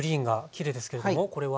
きれいですけれどもこれは？